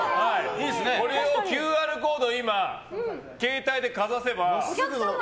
これをＱＲコード、今携帯でかざせば。